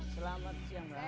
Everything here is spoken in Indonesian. selamat siang pak